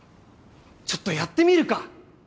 ちょっとやってみるか。